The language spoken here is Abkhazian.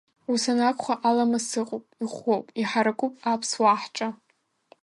Ус анакәха, аламыс ыҟоуп, иӷәӷәоуп, иҳаракуп аԥсуаа ҳҿы.